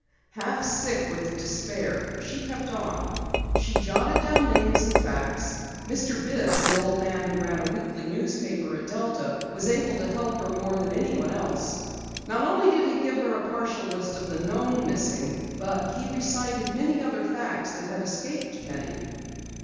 Half sick with despair, she kept on. She jotted down names and facts. Mr. Bibbs, an old man who ran a weekly newspaper at Delta, was able to help her more than anyone else. Not only did he give her a partial list of the known missing, but he recited many other facts that had escaped Penny.